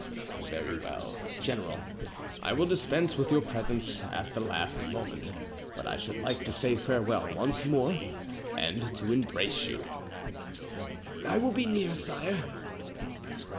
"Very well, general. I will dispense with your presence at the last moment, but I should like to say farewell once more and to embrace you." "I will be near, sire."